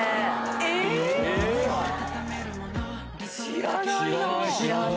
知らないな。